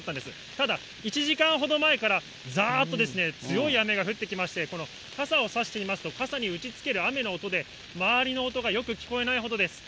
ただ、１時間ほど前から、ざーっと強い雨が降ってきまして、この傘を差していますと、傘に打ちつける雨の音で、周りの音がよく聞こえないほどです。